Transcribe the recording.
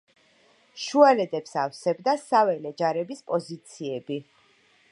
შუალედებს ავსებდა საველე ჯარების პოზიციები.